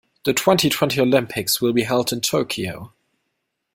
The twenty-twenty Olympics will be held in Tokyo.